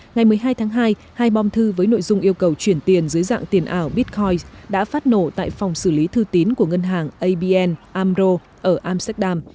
ngày một mươi hai tháng hai hai bom thư với nội dung yêu cầu chuyển tiền dưới dạng tiền ảo bitcoin đã phát nổ tại phòng xử lý thư tín của ngân hàng abn amro ở amsterdam